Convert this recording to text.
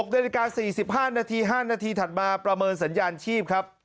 ๖นาฬิกา๔๕นาที๕นาทีถัดมาประเมินสัญญาณชีพครับ